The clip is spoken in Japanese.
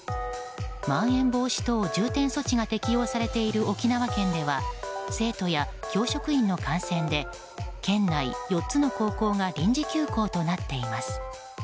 まん延防止等重点措置が適用されている沖縄県では生徒や教職員の感染で県内４つの高校が臨時休校となっています。